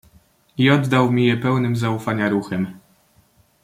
"I oddał mi je pełnym zaufania ruchem."